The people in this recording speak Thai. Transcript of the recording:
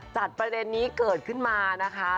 ประเด็นนี้เกิดขึ้นมานะคะ